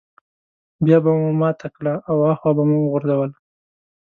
بيا به مو ماته کړه او هاخوا به مو وغورځوله.